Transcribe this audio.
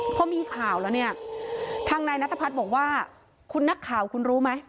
พอมีข่าวแล้วเนี่ยทางนายนัทพัฒน์บอกว่าคุณนักข่าวคุณรู้ไหม